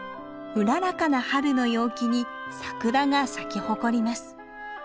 うららかな春の陽気にサクラが咲き誇ります。